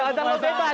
jangan terlalu bebas